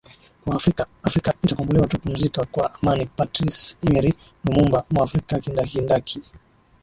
kwa Waafrika Afrika itakombolewa tu Pumzika kwa amani Patrice Emery Lumumba Mwafrika kindakindaki